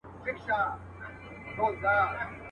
چي کورونا دی که کورونا ده.